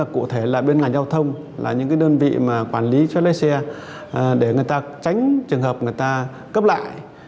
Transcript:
cụ thể là bên ngành giao thông là những đơn vị mà quản lý giấy phép lái xe để người ta tránh trường hợp người ta cấp lại